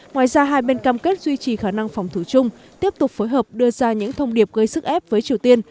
ngoài ra hai bên cam kết duy trì khả năng phòng thủ chung tiếp tục phối hợp đưa ra những thông điệp gây sức ép với triều tiên